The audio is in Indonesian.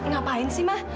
ngapain sih ma